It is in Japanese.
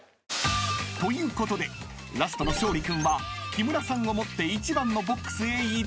［ということでラストの勝利君は木村さんを持って１番のＢＯＸへ移動］